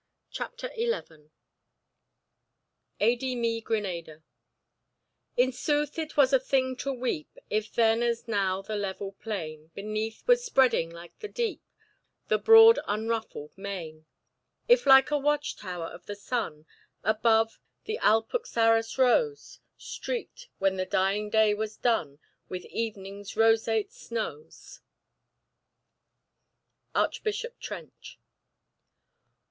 CHAPTER XI. AY DI ME GRENADA "In sooth it was a thing to weep If then as now the level plain Beneath was spreading like the deep, The broad unruffled main. If like a watch tower of the sun Above, the Alpuxarras rose, Streaked, when the dying day was done, With evening's roseate snows." Archbishop Trench.